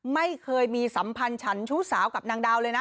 ไม่เคยมีสัมพันธ์ฉันชู้สาวกับนางดาวเลยนะ